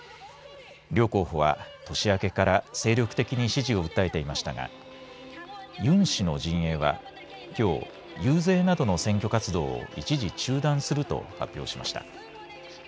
両候補は、年明けから精力的に支持を訴えていましたがユン氏の陣営はきょう、遊説などの選挙活動を一時、中断すると発表しました。